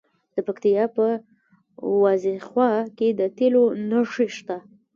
د پکتیکا په وازیخوا کې د تیلو نښې شته.